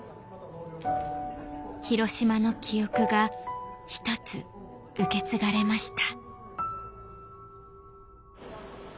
ヒロシマの記憶がひとつ受け継がれました